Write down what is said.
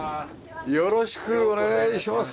よろしくお願いします。